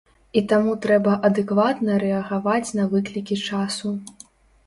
І таму трэба адэкватна рэагаваць на выклікі часу.